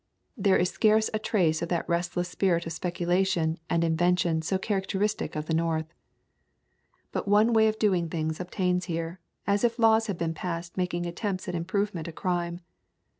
There is scarce a trace of that restless spirit of speculation and inveh tion so characteristic of the North. But one way of doing things obtains here, as if laws had been passed making attempts at improvement a crime.